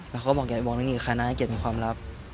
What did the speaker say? อยากบอกว่าอยากเล่านยังงี้กับใครนะให้เห็นเป็นความลับ